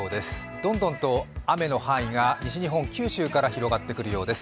どんどんと雨の範囲が西日本、九州から広がってくるようです。